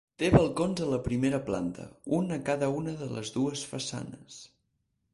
Té balcons a la primera planta, un a cada una de les dues façanes.